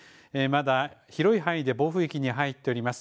まだ広い範囲で暴風域に入っております。